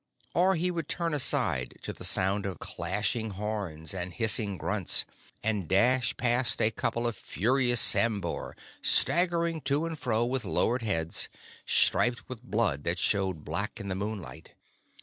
Or he would turn aside to the sound of clashing horns and hissing grunts, and dash past a couple of furious sambhur, staggering to and fro with lowered heads, striped with blood that showed black in the moonlight.